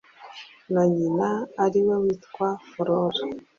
na nyina ariwe witwa Flora